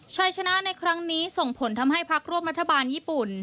ชายชนะในครั้งนี้ส่งผลทำให้พักร่วมรัฐบาลญี่ปุ่น